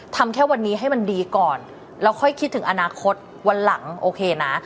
ทำแค่วันนี้ให้มันดีก่อนแล้วค่อยคิดถึงอนาคตวันหลังโอเคนะ